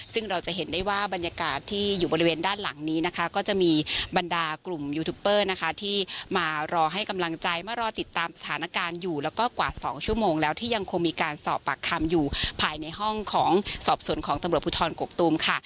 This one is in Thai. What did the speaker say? ซึ่งเราจะเห็นได้ว่าบรรยากาศที่อยู่บริเวณด้านหลังนี้นะคะก็จะมีบรรดากลุ่มยูทูปเปอร์นะคะที่มารอให้กำลังใจมารอติดตามสถานการณ์อยู่แล้วก็กว่า๒ชั่วโมงแล้วที่ยังคงมีการสอบปากคำอยู่ภายในห้องของสอบส่วนของตำรวจภูทรกกตูมค่ะ